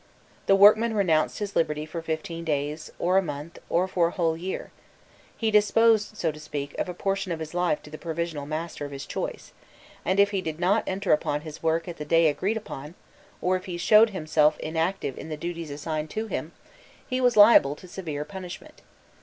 The workman renounced his liberty for fifteen days, or a month, or for a whole year; he disposed, so to speak, of a portion of his life to the provisional master of his choice, and if he did not enter upon his work at the day agreed upon, or if he showed himself inactive in the duties assigned to him, he was liable to severe punishment.